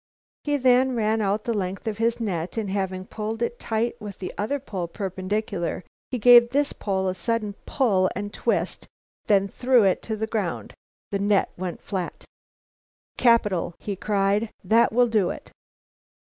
He then ran out the length of his net and, having pulled it tight, with the other pole perpendicular, he gave this pole a sudden pull and twist, then threw it to the ground. The net went flat. "Capital!" he cried. "That will do it."